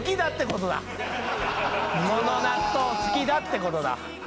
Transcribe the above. この納豆、好きだってことだ。